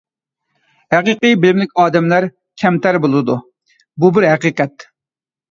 ھەقىقىي بىلىملىك ئادەملەر كەمتەر بولىدۇ. بۇ بىر ھەقىقەت.